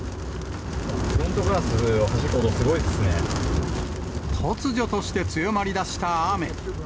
フロントガラスをはじく音、突如として強まりだした雨。